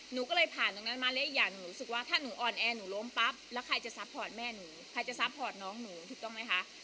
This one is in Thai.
หนูก็เลยผ่านตรงนั้นมาและอีกอย่างหนูรู้สึกว่าถ้าหนูอ่อนแอหนูล้มปั๊บแล้วใครจะซัพพอร์ตแม่หนูใครจะซัพพอร์ตน้องหนูถูกต้องไหมคะ